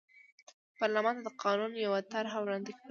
پارلمان ته د قانون یوه طرحه وړاندې کړه.